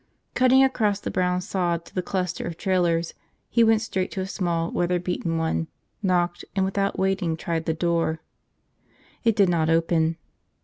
Cutting across the brown sod to the cluster of trailers, he went straight to a small, weather beaten one, knocked, and without waiting tried the door. It did not open.